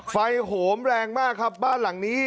โหมแรงมากครับบ้านหลังนี้